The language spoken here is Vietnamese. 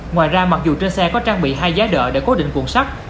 ngoài ra mặc dù trên xe có trang bị hai giá đỡ để cố định cuộn sắt